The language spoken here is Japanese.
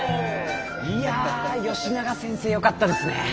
いや吉永先生よかったですね！